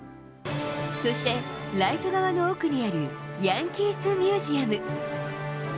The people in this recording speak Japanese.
そして、ライト側の奥にあるヤンキースミュージアム。